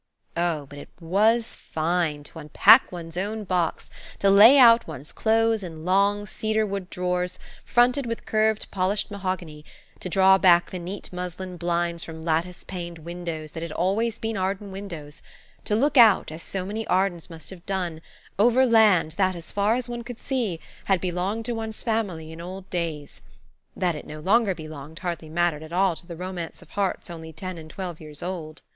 Oh, but it was fine, to unpack one's own box–to lay out one's clothes in long, cedar wood drawers, fronted with curved polished mahogany; to draw back the neat muslin blinds from lattice paned windows that had always been Arden windows; to look out, as so many Ardens must have done, over land that, as far as one could see, had belonged to one's family in old days. That it no longer belonged hardly mattered at all to the romance of hearts only ten and twelve years old.